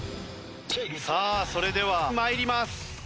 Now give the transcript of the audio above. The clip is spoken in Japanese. さあそれでは参ります。